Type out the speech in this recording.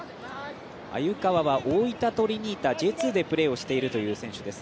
鮎川は大分トリニータＪ２でプレーをしているという選手です。